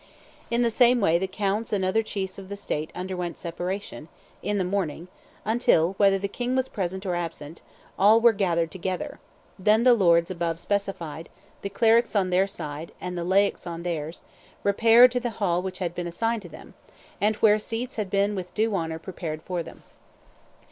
In the same way the counts and other chiefs of the State underwent separation, in the morning, until, whether the king was present or absent, all were gathered together; then the lords above specified, the clerics on their side, and the laics on theirs, repaired to the hall which had been assigned to them, and where seats had been with due honor prepared for them.